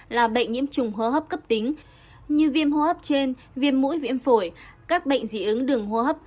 là bệnh nhiễm trùng hố hấp cấp tính như viêm hô hấp trên viêm mũi viêm phổi các bệnh dị ứng đường hô hấp